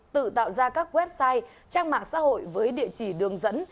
tự tạo ra các website trang mạng xã hội với địa chỉ đường dẫn